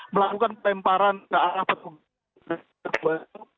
melakukan lemparan ke arah petunjuk batu